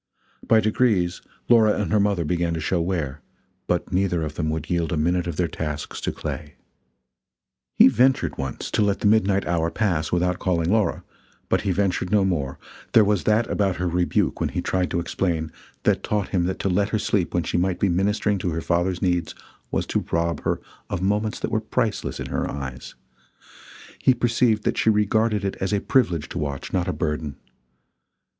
By degrees Laura and her mother began to show wear, but neither of them would yield a minute of their tasks to Clay. He ventured once to let the midnight hour pass without calling Laura, but he ventured no more; there was that about her rebuke when he tried to explain, that taught him that to let her sleep when she might be ministering to her father's needs, was to rob her of moments that were priceless in her eyes; he perceived that she regarded it as a privilege to watch, not a burden.